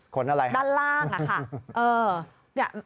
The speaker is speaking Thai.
ขนอะไรฮะด้านล่างอะค่ะเออ